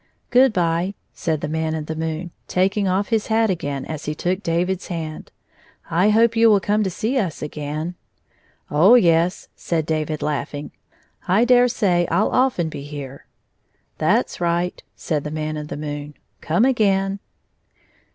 " Good by," said the Man in the moon, taking off his hat again as he took David^s hand, " I hope you will come to see us again." " Oh, yes," said David, laughing, " I dare say I '11 often be here." "That 's right," said the Man in the moon. " Come again."